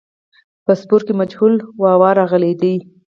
په سپور کې مجهول واو راغلی دی.